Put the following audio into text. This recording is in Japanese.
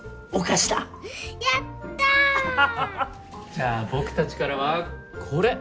じゃあ僕たちからはこれ。